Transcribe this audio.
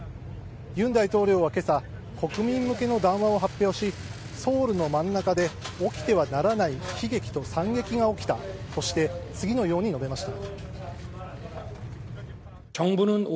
尹大統領は、けさ国民向けの談話を発表しソウルの真ん中で起きてはならない悲劇と惨劇が起きたとして次のように述べました。